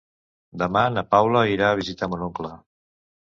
Demà na Paula irà a visitar mon oncle.